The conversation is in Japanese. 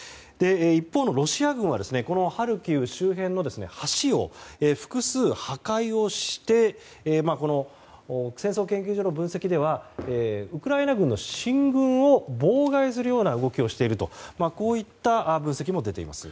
一方のロシア軍はこのハルキウ周辺の橋を複数、破壊をして戦争研究所の分析ではウクライナ軍の進軍を妨害するような動きをしているとこういった分析も出ています。